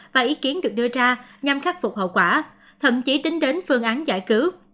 và ý kiến được đưa ra nhằm khắc phục hậu quả thậm chí tính đến phương án giải cứu